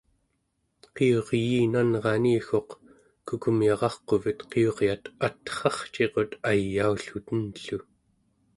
qiuryiinanrani-gguq kukumyararquvet qiuryat atrarciqut ayaulluten-llu